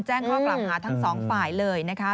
แจ้งข้อกล่าวหาทั้งสองฝ่ายเลยนะคะ